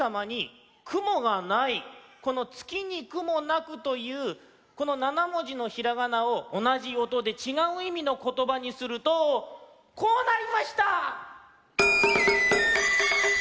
この「つきにくもなく」というこの７もじのひらがなをおなじおとでちがういみのことばにするとこうなりました！